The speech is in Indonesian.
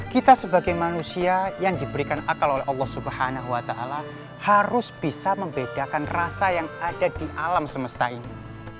kita sebagai manusia yang diberikan akal oleh allah swt harus bisa membedakan rasa yang ada di alam semesta ini